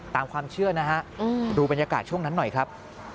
ตามความเชื่อนะฮะดูบรรยากาศช่วงนั้นหน่อยครับ